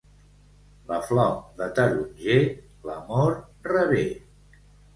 La flor de taronger l'amor revé.